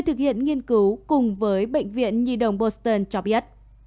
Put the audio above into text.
thực hiện nghiên cứu cùng với bệnh viện nhi đồng boston cho biết